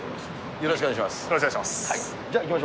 よろしくお願いします。